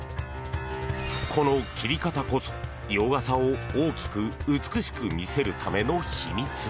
この切り方こそ、洋傘を大きく美しく見せるための秘密。